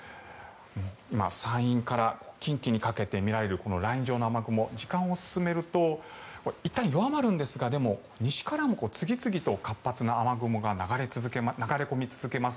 今、山陰から近畿にかけて見られるライン状の雨雲時間を進めるといったん弱まるんですがでも西からも次々と活発な雨雲が流れ込み続けます。